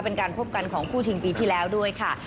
เป็นการพบกันของคู่ชิงปีที่แล้วด้วยค่ะ